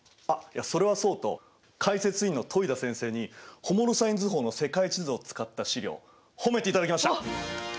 あっいやそれはそうと解説委員の戸井田先生にホモロサイン図法の世界地図を使った資料褒めていただきました！